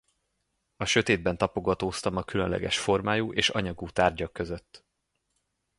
A sötétben tapogatóztam a különleges formájú és anyagú tárgyak között.